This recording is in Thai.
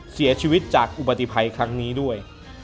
เสียชีวิตจากอุบัติภัยครั้งนี้ด้วย